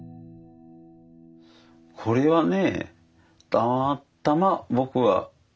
これはね